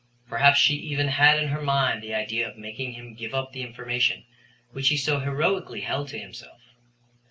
Perhaps she even had in her mind the idea of making him give up the information which he so heroically held to himself.